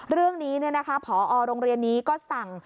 เรื่องนี้พอโรงเรียนนี้ก็สั่ง